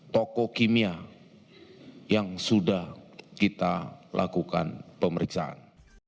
dua puluh satu tokoh kimia yang sudah kita lakukan pemeriksaan